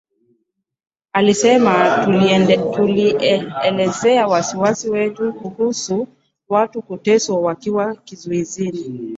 Alisema tulielezea wasiwasi wetu kuhusu watu kuteswa wakiwa kizuizini.